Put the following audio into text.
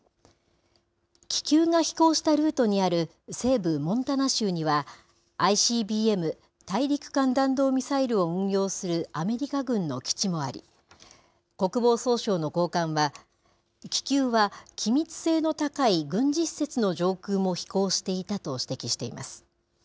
気球が飛行したルートにある西部モンタナ州には、ＩＣＢＭ・大陸間弾道ミサイルを運用するアメリカ軍の基地もあり、国防総省の高官は、気球は機密性の高い軍事施設の上空も飛行していたと指摘しています。